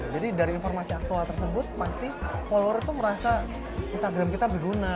jadi dari informasi aktual tersebut pasti follower itu merasa instagram kita berguna